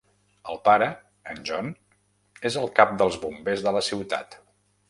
El pare, en John, és el cap dels bombers de la ciutat.